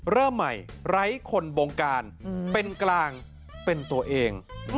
เริ่มใหม่ไร้คนบงการเป็นกลางเป็นตัวเอง